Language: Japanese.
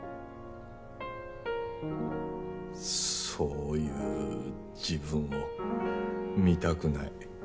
そういう自分を見たくない。